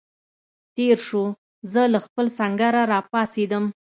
تېر شو، زه له خپل سنګره را پاڅېدم.